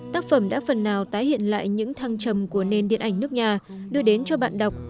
tác phẩm đã phần nào tái hiện lại những thăng trầm của nền điện ảnh nước nhà đưa đến cho bạn đọc